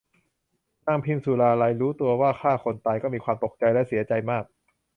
นางพิมสุราลัยรู้ตัวว่าฆ่าคนตายก็มีความตกใจและเสียใจมาก